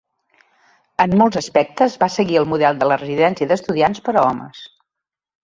En molts aspectes va seguir el model de la Residencia d'Estudiantes per a homes.